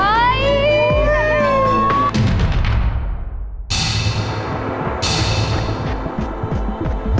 ถามพี่ปีเตอร์